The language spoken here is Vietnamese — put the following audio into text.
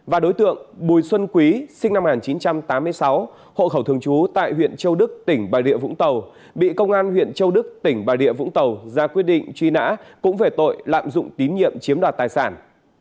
và đối tượng bùi xuân quý sinh năm một nghìn chín trăm tám mươi sáu hộ khẩu thường trú tại huyện châu đức tỉnh bà rịa vũng tàu bị công an huyện châu đức tỉnh bà địa vũng tàu ra quyết định truy nã cũng về tội lạm dụng tín nhiệm chiếm đoạt tài sản